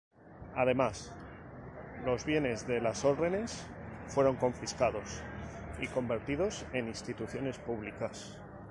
Además, los bienes de las órdenes fueron confiscados y convertidos en instituciones públicas.